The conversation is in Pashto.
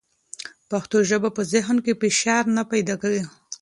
پښتو ژبه په ذهن کې فشار نه پیدا کوي.